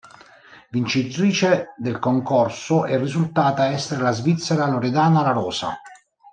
Vincitrice del concorso è risultata essere la svizzera Loredana La Rosa.